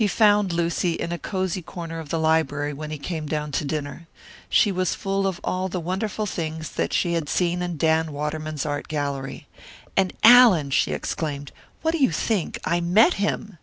He found Lucy in a cosy corner of the library when he came down to dinner. She was full of all the wonderful things that she had seen in Dan Waterman's art gallery. "And Allan," she exclaimed, "what do you think, I met him!"